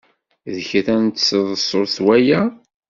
D kra n tseḍsut waya?